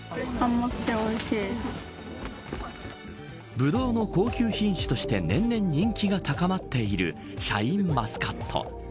ブドウの高級品種として年々人気が高まっているシャインマスカット。